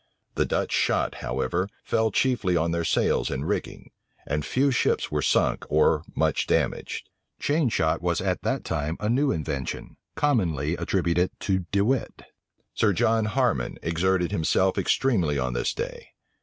The Dutch shot, however, fell chiefly on their sails and rigging; and few ships were sunk or much damaged. Chain shot was at that time a new invention; commonly attributed to De Wit. Sir John Harman exerted himself extremely on this day.